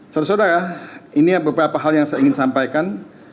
saudara saudara ini beberapa hal yang saya ingin sampaikan